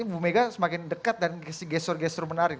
bu mega semakin dekat dan gesur gesur menarik